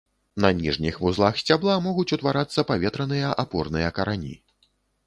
На ніжніх вузлах сцябла могуць утварацца паветраныя апорныя карані.